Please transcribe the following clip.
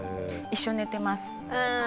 一緒に寝てます。